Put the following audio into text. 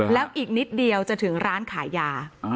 แล้วอีกนิดเดียวจะถึงร้านขายยา